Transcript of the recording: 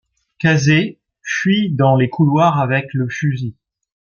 Casey fuit dans les couloirs avec le fusil.